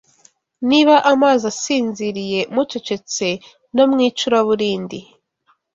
Niba amazi asinziriye Mucecetse no mu icuraburindi